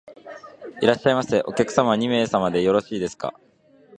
いらっしゃいませ。お客様は二名様でよろしいですか？